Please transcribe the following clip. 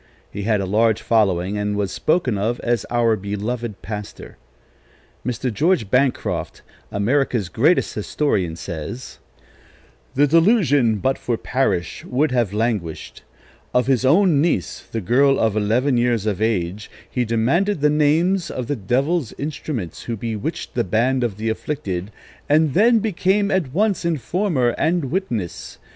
He had a large following, and was spoken of as our beloved pastor. Mr. George Bancroft, America's greatest historian, says:[D] [Footnote D: Bancroft's "History of the United States", vol. ii., p. 256.] "The delusion, but for Parris, would have languished. Of his own niece, the girl of eleven years of age, he demanded the names of the devil's instruments, who bewitched the band of 'the afflicted,' and then became at once informer and witness.